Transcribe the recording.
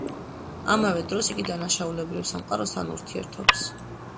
ამავე დროს, იგი დანაშაულებრივ სამყაროსთან ურთიერთობს.